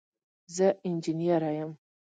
زه انجنیره یم.